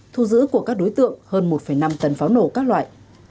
thu giữ của các đối tượng hơn một năm tấn pháo nổ các loại